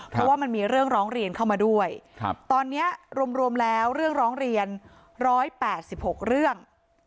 เพราะว่ามันมีเรื่องร้องเรียนเข้ามาด้วยตอนนี้รวมแล้วเรื่องร้องเรียน๑๘๖เรื่อง